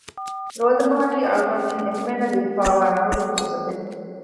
ރޯދަމަހަކީ އަޅުގަނޑުމެން އެންމެންނަށް ލިބިފައިވާ ރަނުގެ ފުރުޞަތެއް